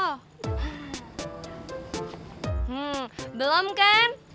hmm belum kan